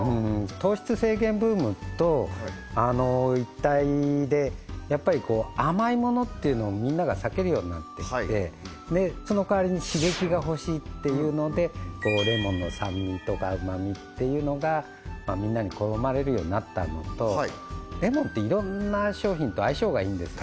糖質制限ブームと一体でやっぱりこう甘いものっていうのをみんなが避けるようになってきてその代わりに刺激がほしいっていうのでレモンの酸味とか旨みっていうのがみんなに好まれるようになったのとレモンっていろんな商品と相性がいいんですよ